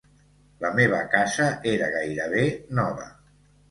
La meva casa era gairebé nova.